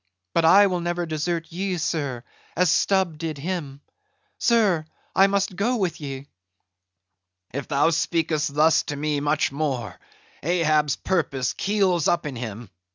But I will never desert ye, sir, as Stubb did him. Sir, I must go with ye." "If thou speakest thus to me much more, Ahab's purpose keels up in him.